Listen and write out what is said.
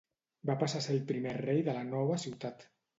Va passar a ser el primer rei de la nova ciutat.